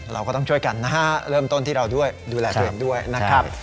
เราก็ต้องช่วยกันนะฮะเริ่มต้นที่เราด้วยดูแลตัวเองด้วยนะครับ